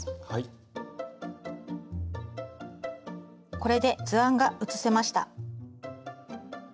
これで図案が写せました。